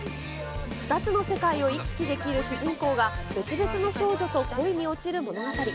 ２つの世界を行き来できる主人公が別々の少女と恋に落ちる物語。